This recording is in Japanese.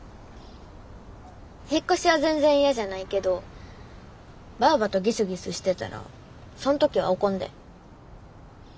引っ越しは全然嫌じゃないけどばあばとギスギスしてたらそん時は怒んで。